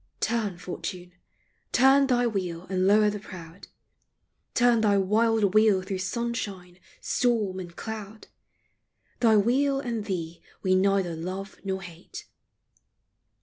Turn, Fortune, turn thy wheel and lower the proud ; Turn thy wild wheel through sunshine, storm, and cloud ; Thy wheel and thee we neither love nor hate.